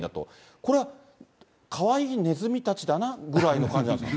これはかわいいネズミたちだなぐらいな感じなんですか？